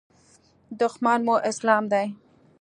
دښمن مو اسلام دی.